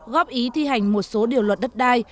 góp ý thi hành một số điều luật đất đai